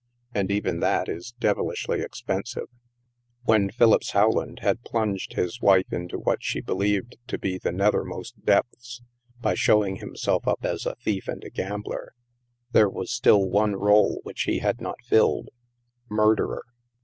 And even that is devilishly ex pensive !" When Philippse Rowland had plunged his wife into what she believed to be the nethermost depths, by showing himself up as a thief and a gambler, there was still one role which he had not filled — murderer.